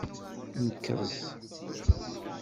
Nkeẓ.